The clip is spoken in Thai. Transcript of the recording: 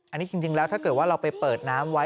อันนี้จริงแล้วถ้าเกิดว่าเราไปเปิดน้ำไว้